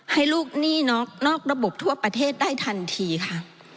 ให้ลูกหนี้นอกระบบทั่วประเทศได้ทันทีค่ะ